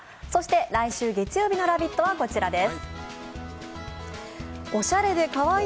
来週月曜日の「ラヴィット！」はこちらです。